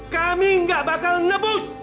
kami gak bakal nebuk